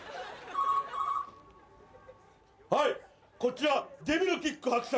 はい、こちらデビルキック伯爵。